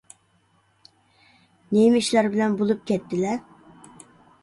نېمە ئىشلار بىلەن بولۇپ كەتتىلە؟